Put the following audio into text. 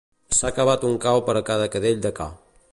S'ha cavat un cau per a cada cadell de ca.